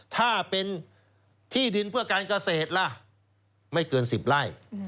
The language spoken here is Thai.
ถ้าเป็นที่ดินเพื่อการเกษตรล่ะไม่เกิน๑๐ไร่